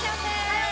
はい！